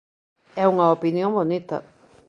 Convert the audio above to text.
É unha opinión bonita.